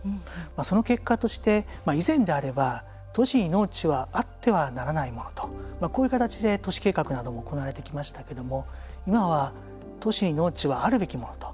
その結果として以前であれば都市に農地はあってはならないものとこういう形で都市計画なども行われてきましたけど今は都市に農地はあるべきものと。